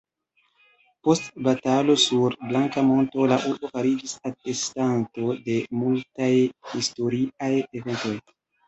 Post batalo sur Blanka Monto la urbo fariĝis atestanto de multaj historiaj eventoj.